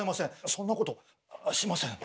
そんなことしません。